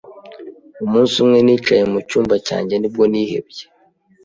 Umunsi umwe nicaye mu cyumba cyanjye nibwo nihebye